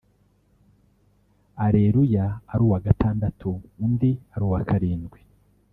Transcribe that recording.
Areruya ari uwa gatandatu undi ari uwa karindwi